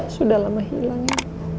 sudah lama hilangnya